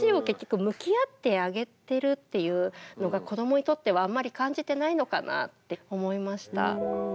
結局向き合ってあげてるっていうのが子どもにとってはあんまり感じてないのかなって思いました。